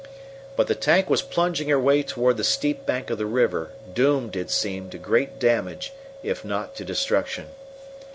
But the tank was plunging her way toward the steep bank of the river, doomed, it seemed, to great damage, if not to destruction.